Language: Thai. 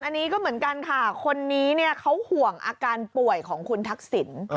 อันนี้ก็เหมือนกันค่ะคนนี้เนี่ยเขาห่วงอาการป่วยของคุณทักษิณ